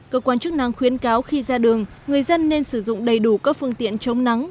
cơ quan chức năng khuyến cáo khi ra đường người dân nên sử dụng đầy đủ các phương tiện chống nắng